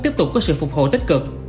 tiếp tục có sự phục hồi tích cực